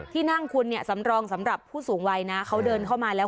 ที่นั่งคุณเนี่ยสำรองสำหรับผู้สูงวัยนะเขาเดินเข้ามาแล้ว